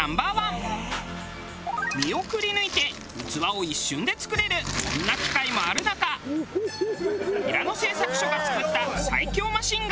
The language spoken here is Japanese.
実をくりぬいて器を一瞬で作れるこんな機械もある中平野製作所が作った最強マシンが。